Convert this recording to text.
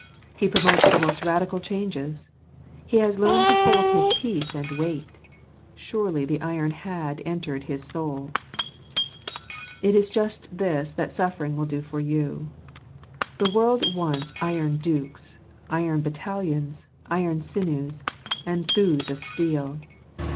He promotes the most radical 1 j changes. He has learned to hold his peace and wait. : Surely the iron had entered his soul! It is just this that suffering will do for you. The world wants iron dukes, iron battalions, iron sinews, and thews of steel.